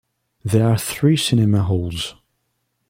There are three cinema halls.